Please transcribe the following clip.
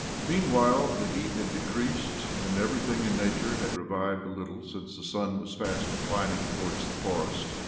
'Meanwhile the heat had decreased, and everything in nature had revived a little, since the sun was fast declining towards the forest.